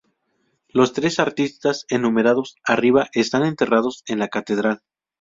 Los tres artistas enumerados arriba están enterrados en la catedral.